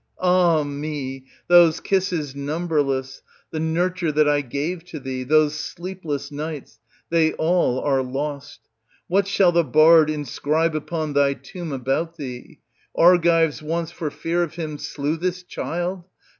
Ah me I those kisses numberless, the nurture that I gave to thee, those sleepless* nights — they all are lost! What shall the bard inscribe upon thy tomb about thee? " Argives once for fear of him slew this child